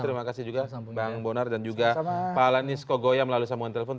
terima kasih juga bang bonar dan juga pak lenis kogoya melalui sambungan telepon